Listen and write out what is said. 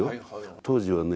当時はね